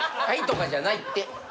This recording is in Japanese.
愛とかじゃないって。